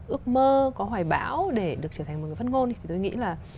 ước mơ có hoài bão để được trở thành một người phát ngôn thì tôi nghĩ là